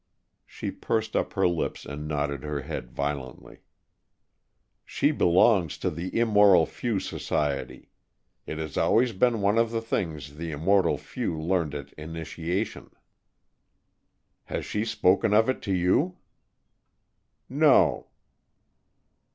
She pursed up her lips and nodded her head violently. "She belongs to the Immortal Few Society. It has always been one of the things the Immortal Few learned at initiation." "Has she spoken of it to you?" "No."